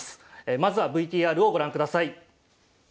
まずはＶＴＲをご覧ください。